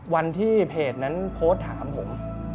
วันที่เพจนั้นโพสต์ถามผม